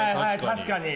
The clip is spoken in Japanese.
確かに。